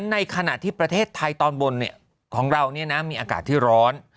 ในขณะที่ประเทศไทยตอนบนของเรามีอากาศที่ร้อน